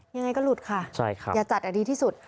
ยังไงก็หลุดค่ะอย่าจัดดีที่สุด